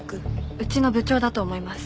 うちの部長だと思います。